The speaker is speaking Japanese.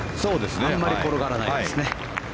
あまり転がらないですね。